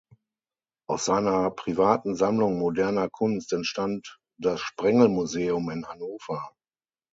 Aus seiner privaten Sammlung moderner Kunst entstand das Sprengel-Museum in Hannover.